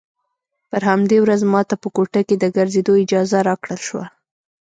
پر همدې ورځ ما ته په کوټه کښې د ګرځېدو اجازه راکړل سوه.